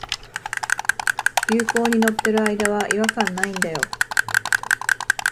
流行に乗ってる間は違和感ないんだよ